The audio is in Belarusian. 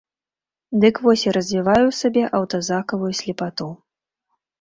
Дык вось я развіваю ў сабе аўтазакавую слепату.